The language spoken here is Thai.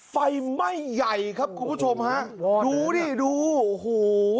ไฟไหม้ใหญ่ครับคุณผู้ชมฮะหรอดูดิดูโอ้โห